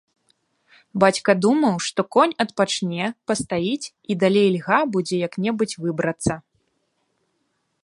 Бацька думаў, што конь адпачне, пастаіць і далей льга будзе як-небудзь выбрацца.